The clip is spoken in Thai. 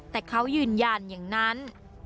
แต่เขายืนยันอย่างนั้น